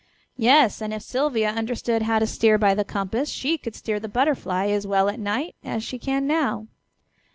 "Yes, and if Sylvia understood how to steer by the compass she could steer the Butterfly as well at night as she can now."